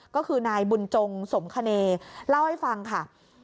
ก็คือนายบุญจงสมคเนเล่าให้ฟังค่ะ